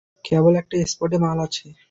কেবল একটা স্পটে মাল আছে।